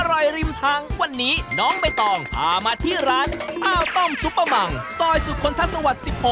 อร่อยริมทางวันนี้น้องไม่ต้องพามาที่ร้านอ้าวต้มซุปเปิ้ลมังซอยสุขนทัศวรรษ๑๖